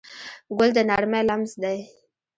ګل د نرمۍ لمس دی.